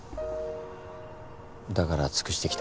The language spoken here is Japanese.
だから尽くしてきた。